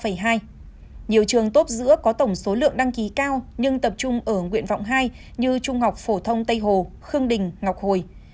nhiều trường tốt giữa có tổng số lượng đăng ký cao nhưng tập trung ở nguyện vọng hai như trung học phổ thông tây hồ khương đình ngọc hồi